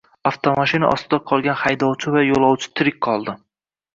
Avtomashina ostida qolgan haydovchi va yo‘lovchi tirik qoldi